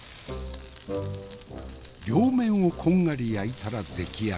両面をこんがり焼いたら出来上がり。